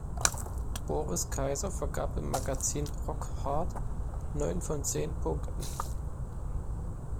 Boris Kaiser vergab im Magazin "Rock Hard" neun von zehn Punkten.